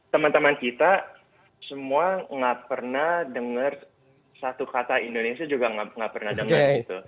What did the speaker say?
teman teman kita semua gak pernah dengar satu kata indonesia juga gak pernah dengar